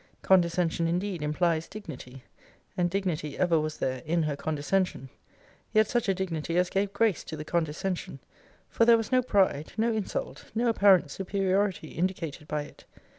Condescension indeed implies dignity: and dignity ever was there in her condescension. Yet such a dignity as gave grace to the condescension; for there was no pride, no insult, no apparent superiority, indicated by it.